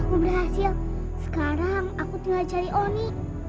aku berhasil sekarang aku tinggal cari onik